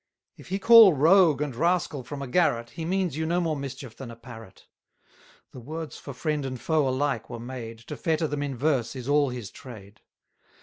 If he call rogue and rascal from a garret, He means you no more mischief than a parrot; The words for friend and foe alike were made, To fetter them in verse is all his trade.